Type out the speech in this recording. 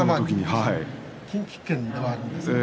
近畿圏ではあるんですけど。